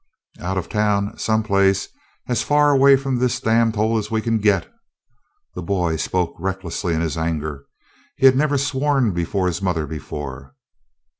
"Out o' town someplace as fur away from this damned hole as we kin git." The boy spoke recklessly in his anger. He had never sworn before his mother before.